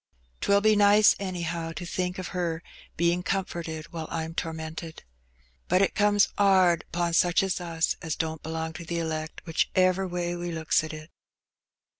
'Twill be nice, any how, to think o' her bein' comforted while I'm tormented. But it comes 'ard 'pon such as us as don't belong to the elect, whichever way we looks at it."